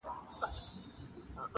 بیا به موسم سي د سروغوټیو -